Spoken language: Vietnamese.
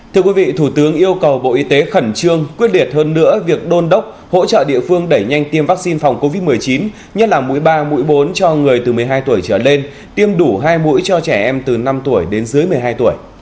thưa quý vị thủ tướng yêu cầu bộ y tế khẩn trương quyết liệt hơn nữa việc đôn đốc hỗ trợ địa phương đẩy nhanh tiêm vaccine phòng covid một mươi chín nhất là mũi ba mũi bốn cho người từ một mươi hai tuổi trở lên tiêm đủ hai mũi cho trẻ em từ năm tuổi đến dưới một mươi hai tuổi